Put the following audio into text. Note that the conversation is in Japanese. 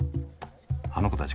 あの子たち